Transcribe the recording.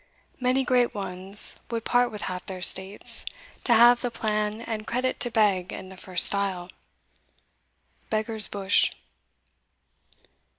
Many great ones Would part with half their states, to have the plan And credit to beg in the first style. Beggar's Bush.